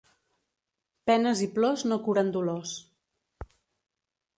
Penes i plors no curen dolors.